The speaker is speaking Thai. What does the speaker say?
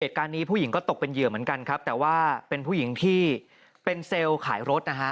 ผู้หญิงก็ตกเป็นเหยื่อเหมือนกันครับแต่ว่าเป็นผู้หญิงที่เป็นเซลล์ขายรถนะฮะ